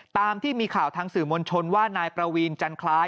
ตามที่มีข่าวทางสื่อมวลชนว่านายประวีนจันทราย